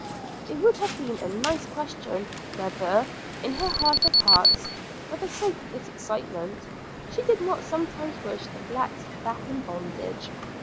It would have been a nice question whether, in her heart of hearts, for the sake of this excitement, she did not sometimes wish the blacks back in bondage.